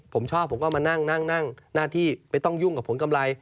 ผมชอบผมก็มานั่งนั่งหน้าที่ไม่ต้องยุ่งกับผลกำไร